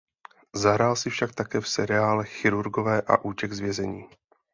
Zahrál si však také v seriálech "Chirurgové" a "Útěk z vězení".